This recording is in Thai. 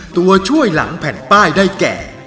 ตัวช่วยหลังแผ่นป้ายได้แก่